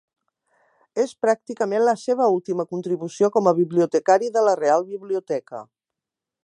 És pràcticament la seva última contribució com a bibliotecari de la Real Biblioteca.